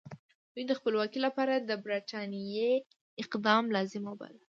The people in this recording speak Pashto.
دوی د خپلواکۍ لپاره د برټانیې اقدام لازم باله.